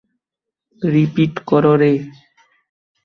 Repeat কর রে।